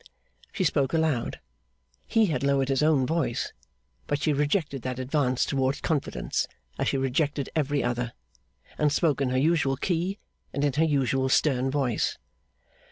She spoke aloud. He had lowered his own voice; but she rejected that advance towards confidence as she rejected every other, and spoke in her usual key and in her usual stern voice.